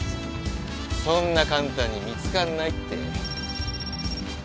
そんな簡単に見つかんないって。